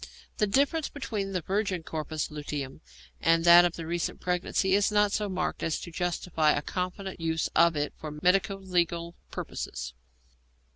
The difference between the virgin corpus luteum and that of recent pregnancy is not so marked as to justify a confident use of it for medico legal purposes.